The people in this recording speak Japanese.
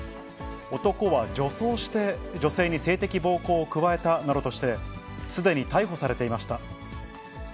男は女装して、女性に性的暴行を加えたなどとして、すでに逮捕されていました。